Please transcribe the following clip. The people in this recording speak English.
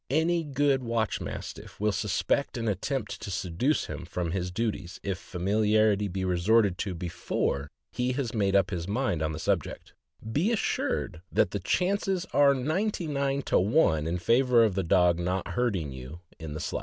Any good watch Mastiff will suspect an attempt to seduce him from his duties if famil iarity be resorted to before he has made up his mind on the subject; be assured that the chances are ninety nine to one in favor of the dog not hurting you in the slightest.